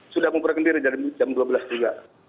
sudah mengumpulkan diri dari jam dua belas juga